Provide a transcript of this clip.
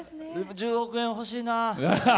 １０億円、欲しいな。